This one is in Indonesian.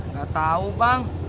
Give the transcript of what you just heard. gak tau bang